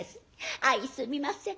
「相すみません。